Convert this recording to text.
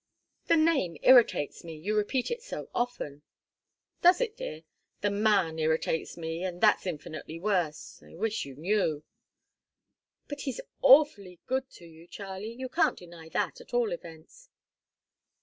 "The name irritates me you repeat it so often!" "Does it, dear? The man irritates me, and that's infinitely worse. I wish you knew!" "But he's awfully good to you, Charlie. You can't deny that, at all events."